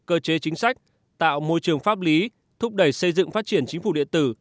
cơ chế chính sách tạo môi trường pháp lý thúc đẩy xây dựng phát triển chính phủ điện tử